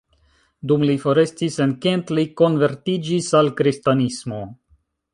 Dum li forestis en Kent li konvertiĝis al kristanismo.